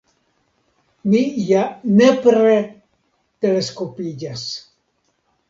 mi ja nepre teleskopiĝas!